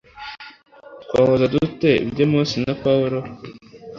twahuza dute ibyo mose na pawulo